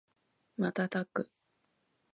瞬く